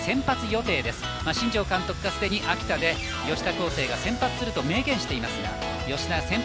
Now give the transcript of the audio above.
新庄監督がすでに秋田で吉田輝星が先発すると明言しています。